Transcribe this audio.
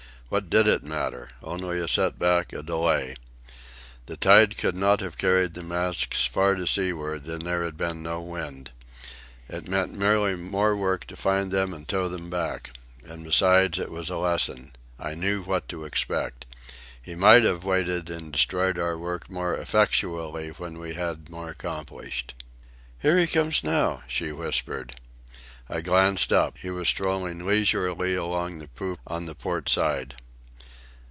What did it matter? Only a set back, a delay. The tide could not have carried the masts far to seaward, and there had been no wind. It meant merely more work to find them and tow them back. And besides, it was a lesson. I knew what to expect. He might have waited and destroyed our work more effectually when we had more accomplished. "Here he comes now," she whispered. I glanced up. He was strolling leisurely along the poop on the port side.